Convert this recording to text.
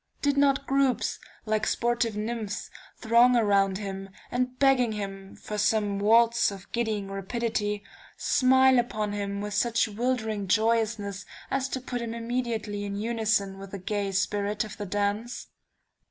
Did not groups, like sportive nymphs, throng around him, and begging him for some waltz of giddying rapidity, smile upon him with such wildering joyousness, as to put him immediately in unison with the gay spirit of the dance?